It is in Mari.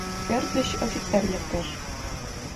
Пӧрт гыч офицер лектеш.